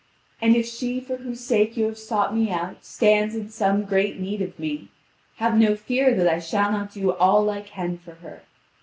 And if she for whose sake you have sought me out stands in some great need of me, have no fear that I shall not do all I can for her.